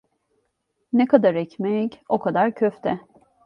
Ne kadar ekmek, o kadar köfte.